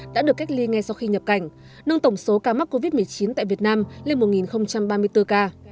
đã được cách ly ngay sau khi nhập cảnh nâng tổng số ca mắc covid một mươi chín tại việt nam lên một ba mươi bốn ca